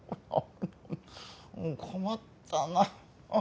困ったな。